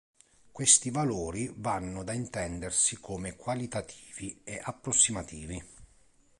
Questi valori vanno da intendersi come qualitativi e approssimativi.